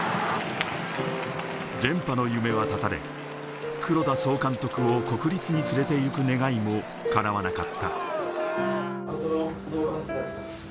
連覇の夢は絶たれ、黒田総監督を国立に連れて行く願いも叶わなかった。